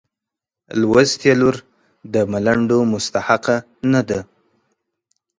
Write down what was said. لوستې لور د ملنډو مستحقه نه ده.